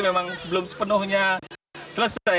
memang belum sepenuhnya selesai